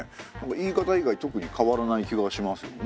言い方以外特に変わらない気がしますよね。